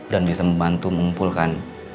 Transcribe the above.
dan bisa membantu mengumpulkan